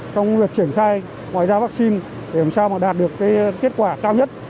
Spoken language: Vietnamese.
trong việc triển khai ngoại giao vaccine để làm sao mà đạt được kết quả cao nhất